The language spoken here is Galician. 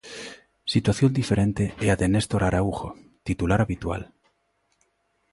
Situación diferente é a de Néstor Araújo, titular habitual.